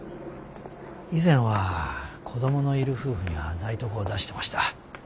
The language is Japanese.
以前は子供のいる夫婦にはザイトクを出してました。